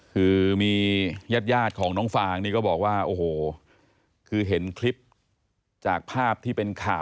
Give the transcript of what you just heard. คือมีญาติของน้องฟางนี่ก็บอกว่าโอ้โหคือเห็นคลิปจากภาพที่เป็นข่าว